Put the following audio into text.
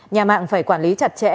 nhà mạng phải quản lý chặt chẽ